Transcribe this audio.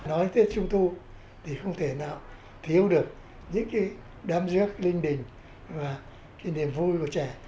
nói tết trung thu thì không thể nào thiếu được những cái đám giác linh đình và kỷ niệm vui của trẻ